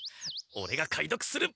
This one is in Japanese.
オレが解読する。